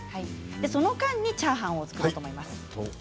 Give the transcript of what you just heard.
その間にチャーハンを作ろうと思います。